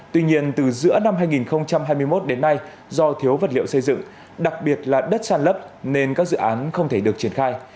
tuy nhiên từ giữa năm hai nghìn hai mươi một đến nay do thiếu vật liệu xây dựng đặc biệt là đất sản lấp nên các dự án không thể được triển khai